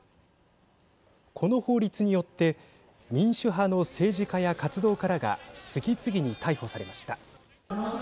この法律によって民主派の政治家や活動家らが次々に逮捕されました。